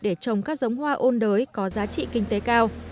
để trồng các giống hoa ôn đới có giá trị kinh tế cao